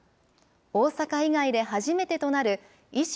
大阪以外で初めてとなる維新